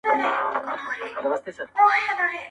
او له دوی د لوی کندهار استازي جوړوې